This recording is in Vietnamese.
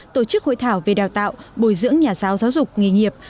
tổ chức hội thảo về đào tạo bồi dưỡng nhà giáo giáo dục nghề nghiệp